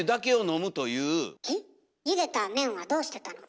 ゆでた麺はどうしてたの？